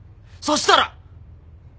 そしたら！